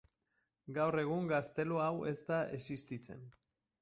Gaur egun gaztelu hau ez da existitzen.